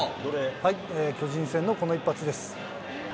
巨人戦のこの一発です。